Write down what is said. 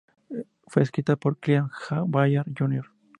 Fue escrita por Clint Ballard Jr.